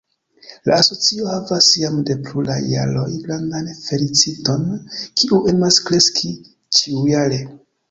La asocio havas jam de pluraj jaroj grandan deficiton, kiu emas kreski ĉiujare.